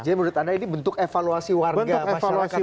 jadi menurut anda ini bentuk evaluasi warga masyarakat pekan pekerja anies